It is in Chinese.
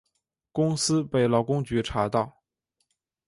公司被劳工局查到